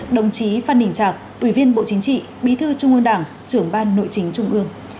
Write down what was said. đồng chí phan đình trạc ủy viên bộ chính trị bí thư trung ương đảng trưởng ban nội chính trung ương